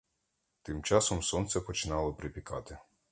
Тим часом сонце починало припікати.